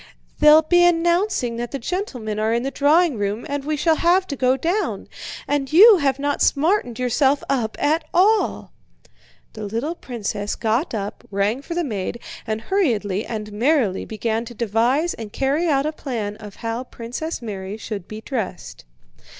"They'll be announcing that the gentlemen are in the drawing room and we shall have to go down, and you have not smartened yourself up at all!" The little princess got up, rang for the maid, and hurriedly and merrily began to devise and carry out a plan of how Princess Mary should be dressed.